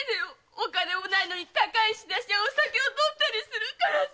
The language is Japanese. お金も無いのに高い仕出しやお酒を取ったりするからさ。